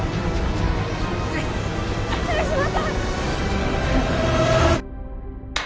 萱島さん！